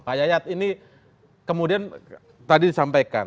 pak yayat ini kemudian tadi disampaikan